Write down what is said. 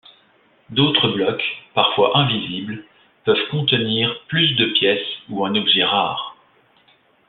D'autres blocs, parfois invisibles, peuvent contenir plus de pièces ou un objet rare.